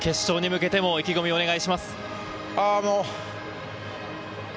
決勝に向けて意気込みをお願いします。